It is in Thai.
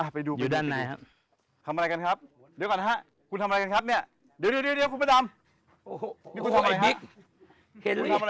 ไปดูไปเลยเดี๋ยวคุณภะดำคุณทำอะไรครับ